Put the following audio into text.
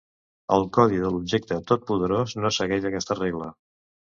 El Codi de l'Objecte totpoderós no segueix aquesta regla.